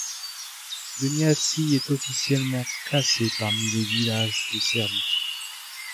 Gunjaci est officiellement classé parmi les villages de Serbie.